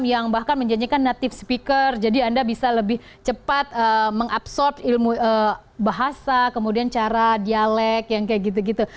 yang bahkan menjanjikan native speaker jadi anda bisa lebih cepat mengabsorb ilmu bahasa kemudian cara dialek yang kayak gitu gitu